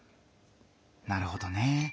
なるほどね。